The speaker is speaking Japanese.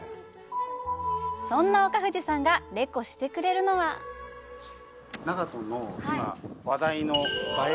そんな岡藤さんがレコしてくれるのは長門の今話題の映え